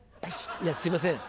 いやすいません